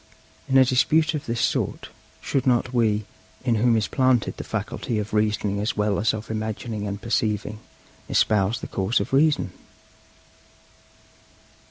In a dispute of this sort, should not we, in whom is planted the faculty of reasoning as well as of imagining and perceiving, espouse the cause of Reason?